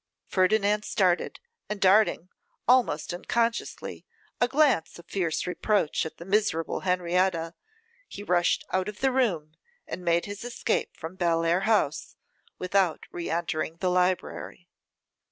Ferdinand started, and darting, almost unconsciously, a glance of fierce reproach at the miserable Henrietta, he rushed out of the room and made his escape from Bellair House without re entering the library.